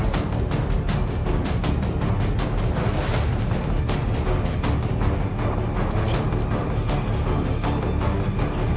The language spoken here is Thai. สวัสดีครับสวัสดีครับ